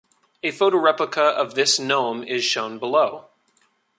A photo of the replica of this gnome is shown below.